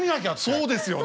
そうですよ。